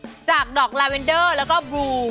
ผลิตจากอร์แกนิกและน้ำมะพร้าวบริสุทธิ์